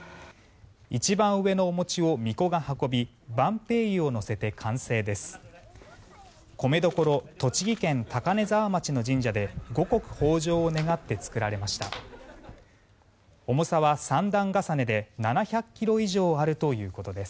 一番上のお餅をみこが運びバンペイユを乗せて完成です。